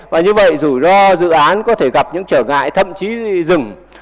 và như vậy rủi ro dự án có thể gặp những trở ngại thậm chí dừng